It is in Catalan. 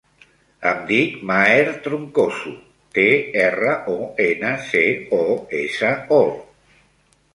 Em dic Maher Troncoso: te, erra, o, ena, ce, o, essa, o.